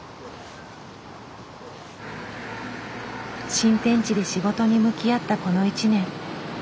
新天地で仕事に向き合ったこの１年。